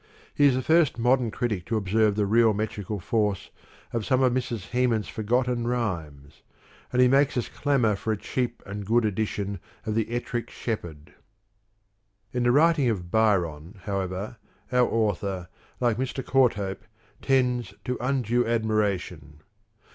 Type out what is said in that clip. He is the first modern critic to observe the real metrical force of some of Mrs. Hemans' forgotten rhymes, and he makes us clamour for a cheap and good edition of the " Ettrick Shepherd." In writing of Byron, however, our author, like Mr. Courthope, tends to undue admiration.